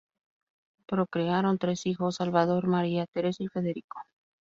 Procrearon tres hijos: Salvador, María Teresa y Federico.